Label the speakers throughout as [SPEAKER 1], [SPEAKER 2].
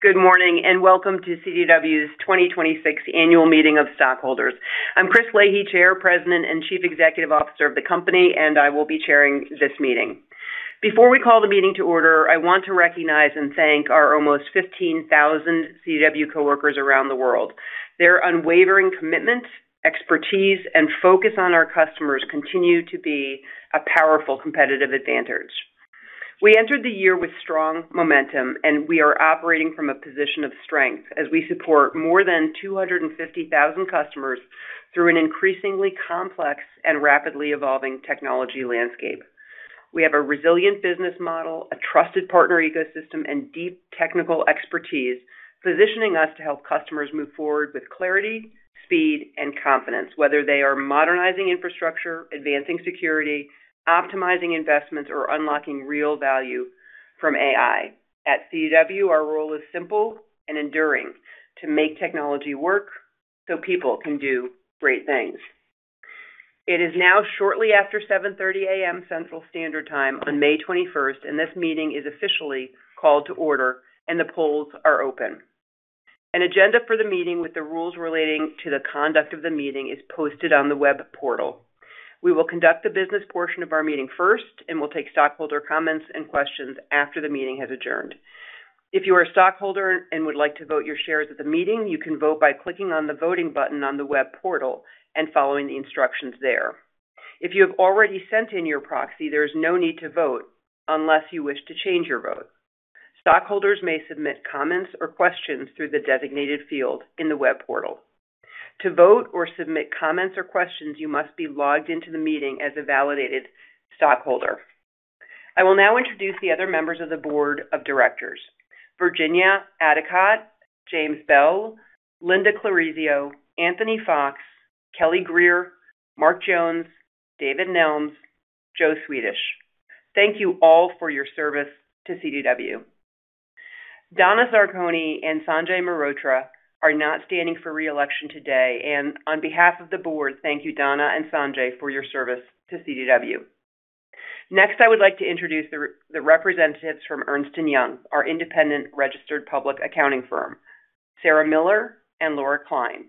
[SPEAKER 1] Good morning, and welcome to CDW's 2026 Annual Meeting of Stockholders. I'm Chris Leahy, Chair, President, and Chief Executive Officer of the company, and I will be chairing this meeting. Before we call the meeting to order, I want to recognize and thank our almost 15,000 CDW coworkers around the world. Their unwavering commitment, expertise, and focus on our customers continue to be a powerful competitive advantage. We entered the year with strong momentum, and we are operating from a position of strength as we support more than 250,000 customers through an increasingly complex and rapidly evolving technology landscape. We have a resilient business model, a trusted partner ecosystem, and deep technical expertise, positioning us to help customers move forward with clarity, speed, and confidence, whether they are modernizing infrastructure, advancing security, optimizing investments, or unlocking real value from AI. At CDW, our role is simple and enduring: to make technology work so people can do great things. It is now shortly after 7:30 A.M. Central Standard Time on May 21st, and this meeting is officially called to order, and the polls are open. An agenda for the meeting with the rules relating to the conduct of the meeting is posted on the web portal. We will conduct the business portion of our meeting first, and we will take stockholder comments and questions after the meeting has adjourned. If you are a stockholder and would like to vote your shares at the meeting, you can vote by clicking on the Voting button on the web portal and following the instructions there. If you have already sent in your proxy, there is no need to vote unless you wish to change your vote. Stockholders may submit comments or questions through the designated field in the web portal. To vote or submit comments or questions, you must be logged into the meeting as a validated stockholder. I will now introduce the other members of the board of directors. Virginia Addicott, James Bell, Lynda Clarizio, Anthony Foxx, Kelly Grier, Marc Jones, David Nelms, Joe Swedish. Thank you all for your service to CDW. Donna Zarcone and Sanjay Mehrotra are not standing for re-election today, and on behalf of the board, thank you, Donna and Sanjay, for your service to CDW. Next, I would like to introduce the representatives from Ernst & Young, our independent registered public accounting firm, Sarah Miller and Laura Klein.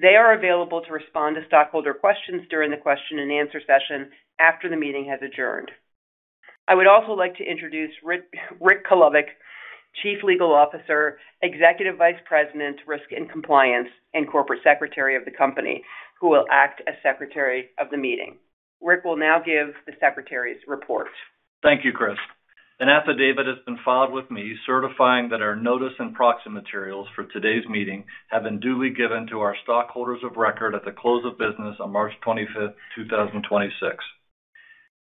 [SPEAKER 1] They are available to respond to stockholder questions during the question and answer session after the meeting has adjourned. I would also like to introduce Rick Kulevich, Chief Legal Officer, Executive Vice President, Risk and Compliance, and Corporate Secretary of the company, who will act as Secretary of the meeting. Rick will now give the Secretary's report.
[SPEAKER 2] Thank you, Chris. An affidavit has been filed with me certifying that our notice and proxy materials for today's meeting have been duly given to our stockholders of record at the close of business on March 25th, 2026.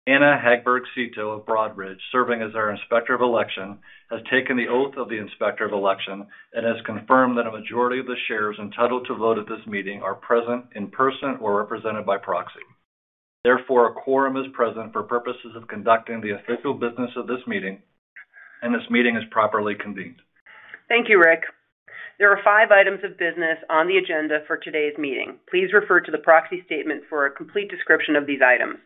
[SPEAKER 2] Anna Hagberg-Cito of Broadridge, serving as our Inspector of Election, has taken the oath of the Inspector of Election and has confirmed that a majority of the shares entitled to vote at this meeting are present in person or represented by proxy. Therefore, a quorum is present for purposes of conducting the official business of this meeting, and this meeting is properly convened.
[SPEAKER 1] Thank you, Rick. There are five items of business on the agenda for today's meeting. Please refer to the proxy statement for a complete description of these items.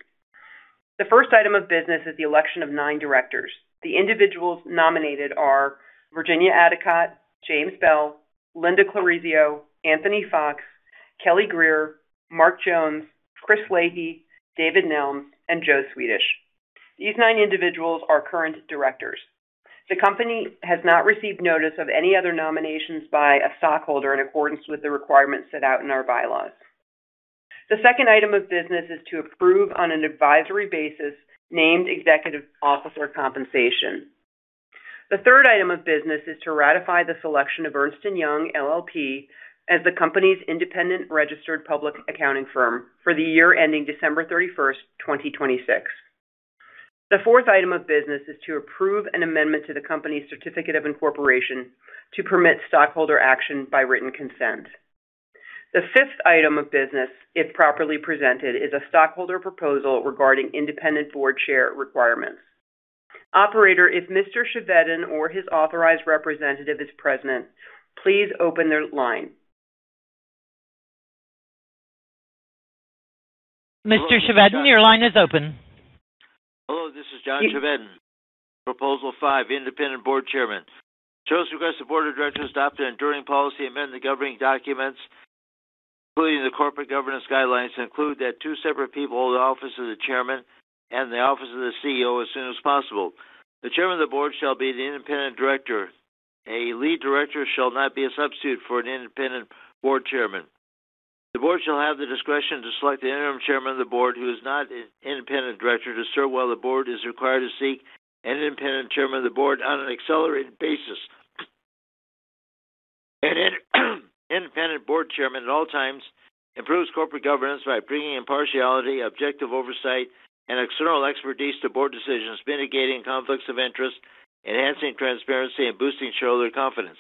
[SPEAKER 1] The first item of business is the election of nine directors. The individuals nominated are Virginia Addicott, James Bell, Lynda Clarizio, Anthony Foxx, Kelly Grier, Marc Jones, Chris Leahy, David Nelms, and Joe Swedish. These nine individuals are current directors. The company has not received notice of any other nominations by a stockholder in accordance with the requirements set out in our bylaws. The second item of business is to approve on an advisory basis named executive officer compensation. The third item of business is to ratify the selection of Ernst & Young LLP as the company's independent registered public accounting firm for the year ending December 31st, 2026. The fourth item of business is to approve an amendment to the company's certificate of incorporation to permit stockholder action by written consent. The fifth item of business, if properly presented, is a stockholder proposal regarding independent board chair requirements. Operator, if Mr. Chevedden or his authorized representative is present, please open their line.
[SPEAKER 3] Mr. Chevedden, your line is open.
[SPEAKER 4] Hello, this is John Chevedden, proposal five, independent Board Chairman. Shareholders request the Board of Directors adopt an enduring policy amending the governing documents, including the corporate governance guidelines, to include that two separate people hold the office of the Chairman and the office of the CEO as soon as possible. The Chairman of the Board shall be the independent director. A lead director shall not be a substitute for an independent board chairman. The Board shall have the discretion to select the interim chairman of the Board, who is not an independent director, to serve while the Board is required to seek an independent chairman of the Board on an accelerated basis. An independent board chairman at all times improves corporate governance by bringing impartiality, objective oversight, and external expertise to board decisions, mitigating conflicts of interest, enhancing transparency, and boosting shareholder confidence.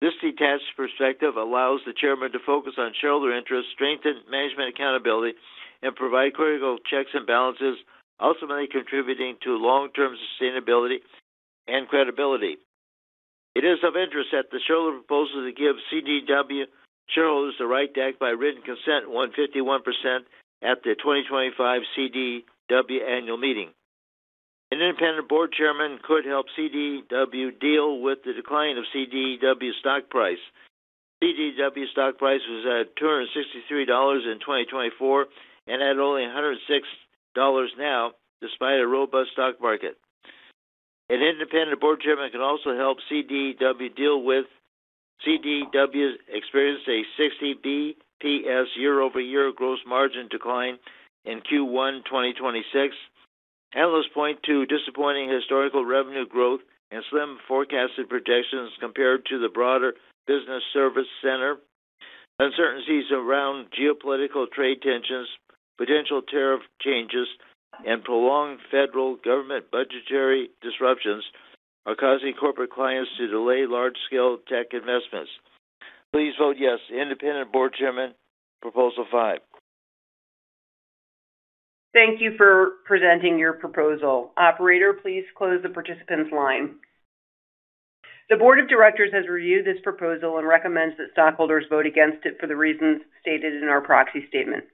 [SPEAKER 4] This detached perspective allows the chairman to focus on shareholder interest, strengthen management accountability, and provide critical checks and balances, ultimately contributing to long-term sustainability and credibility. It is of interest. Also to give CDW shareholders the right to act by written consent won 51% at the 2025 CDW Annual Meeting. An independent board chairman could help CDW deal with the decline of CDW stock price. CDW stock price was at $263 in 2024 and at only $106 now, despite a robust stock market. An independent board chairman can also help CDW deal with CDW's experienced a 60 basis points year-over-year gross margin decline in Q1 2026. Analysts point to disappointing historical revenue growth and slim forecasted projections compared to the broader business services sector. Uncertainties around geopolitical trade tensions, potential tariff changes, and prolonged federal government budgetary disruptions are causing corporate clients to delay large-scale tech investments. Please vote yes. Independent board chairman, proposal five.
[SPEAKER 1] Thank you for presenting your proposal. Operator, please close the participants' line. The board of directors has reviewed this proposal and recommends that stockholders vote against it for the reasons stated in our proxy statement.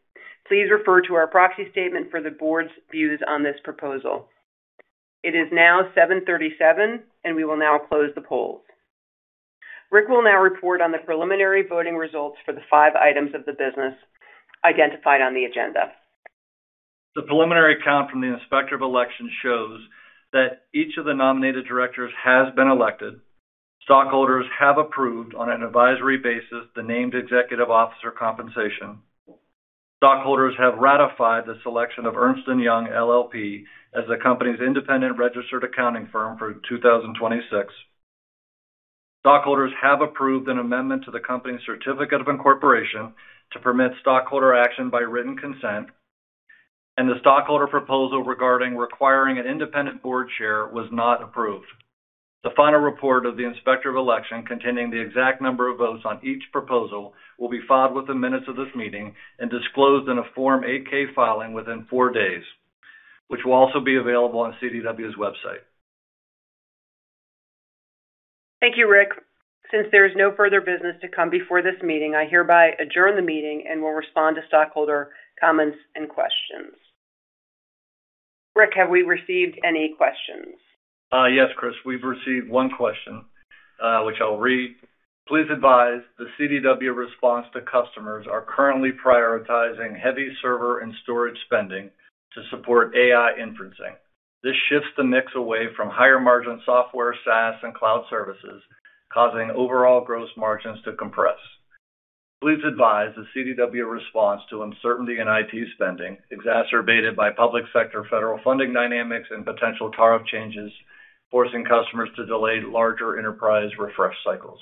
[SPEAKER 1] Please refer to our proxy statement for the board's views on this proposal. It is now 7:37 P.M. We will now close the polls. Rick will now report on the preliminary voting results for the five items of the business identified on the agenda.
[SPEAKER 2] The preliminary count from the Inspector of Election shows that each of the nominated directors has been elected. Stockholders have approved, on an advisory basis, the named executive officer compensation. Stockholders have ratified the selection of Ernst & Young LLP as the company's independent registered accounting firm for 2026. Stockholders have approved an amendment to the company's certificate of incorporation to permit stockholder action by written consent, and the stockholder proposal regarding requiring an independent board chair was not approved. The final report of the Inspector of Election containing the exact number of votes on each proposal will be filed with the minutes of this meeting and disclosed in a Form 8-K filing within four days, which will also be available on CDW's website.
[SPEAKER 1] Thank you, Rick. Since there is no further business to come before this meeting, I hereby adjourn the meeting and will respond to stockholder comments and questions. Rick, have we received any questions?
[SPEAKER 2] Yes, Chris, we've received one question, which I'll read. Please advise, the CDW response to customers are currently prioritizing heavy server and storage spending to support AI inferencing. This shifts the mix away from higher-margin software, SaaS, and cloud services, causing overall gross margins to compress. Please advise the CDW response to uncertainty in IT spending, exacerbated by public sector federal funding dynamics and potential tariff changes, forcing customers to delay larger enterprise refresh cycles.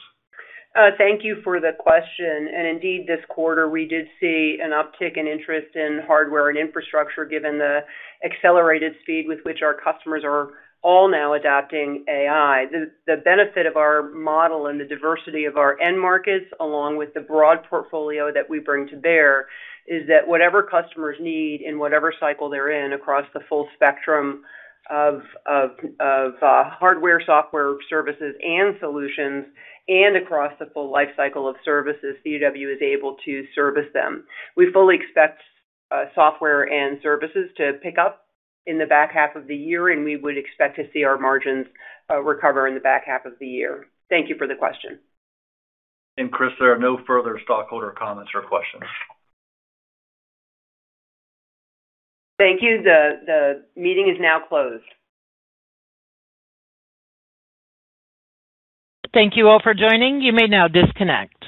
[SPEAKER 1] Thank you for the question. Indeed, this quarter, we did see an uptick in interest in hardware and infrastructure, given the accelerated speed with which our customers are all now adopting AI. The benefit of our model and the diversity of our end markets, along with the broad portfolio that we bring to bear, is that whatever customers need in whatever cycle they're in across the full spectrum of hardware, software, services and solutions, and across the full life cycle of services, CDW is able to service them. We fully expect software and services to pick up in the back half of the year. We would expect to see our margins recover in the back half of the year. Thank you for the question.
[SPEAKER 2] Chris, there are no further stockholder comments or questions.
[SPEAKER 1] Thank you. The meeting is now closed.
[SPEAKER 3] Thank you all for joining. You may now disconnect.